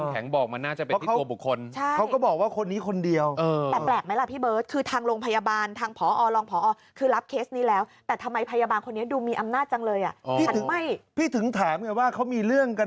อย่างที่พี่ตำแข็งบอกมันน่าจะเป็นทิศโกบุคคล